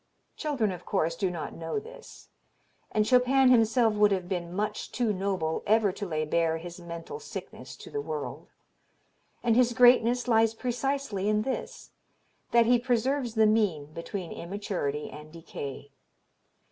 Children, of course, do not know this. And Chopin himself would have been much too noble ever to lay bare his mental sickness to the world. And his greatness lies precisely in this: that he preserves the mean between immaturity and decay.